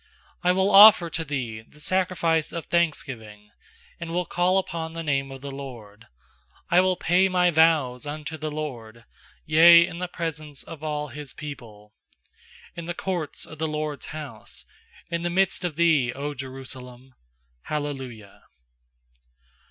17I will offer to Thee the sacrifice of thanksgiving, And will call upon the name of the LORD. 18I will pay my vows unto the LORD, Yea, in the presence of all His people; 19In the courts of the LORD'S house, In the midst of thee, 0 Jerusalem. Hallelujah.